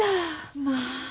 まあ。